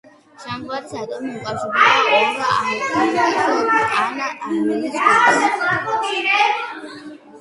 ჟანგბადის ატომი უკავშირდება ორ ალკილის ან არილის ჯგუფს.